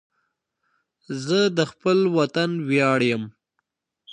زه د خپل وطن ویاړ یم